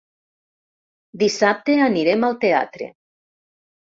Dissabte anirem al teatre.